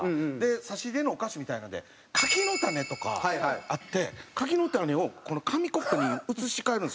差し入れのお菓子みたいなので柿の種とかあって柿の種を紙コップに移し替えるんですよ。